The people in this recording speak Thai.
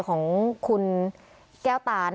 ของคุณแก้วตา